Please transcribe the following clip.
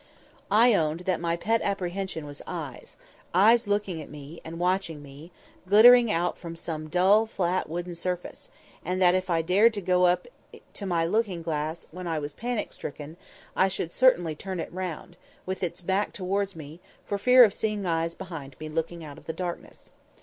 I owned that my pet apprehension was eyes—eyes looking at me, and watching me, glittering out from some dull, flat, wooden surface; and that if I dared to go up to my looking glass when I was panic stricken, I should certainly turn it round, with its back towards me, for fear of seeing eyes behind me looking out of the darkness.